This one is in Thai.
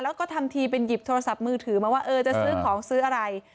แล้วก็ทำทีเป็นหยิบโทรศัพท์มือถือมาว่าเออจะซื้อของซื้ออะไร